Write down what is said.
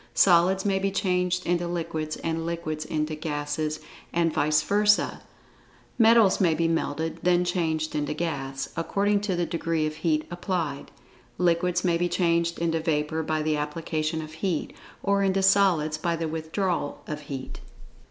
Solids may be changed into liquids, and liquids into gases, and vice versa. Metals may be melted, then changed into gas, according to the degree of heat applied. Liquids may be changed into vapor by the application of heat, or into solids by the withdrawal of heat.